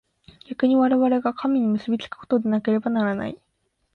逆に我々が神に結び附くことでなければならない。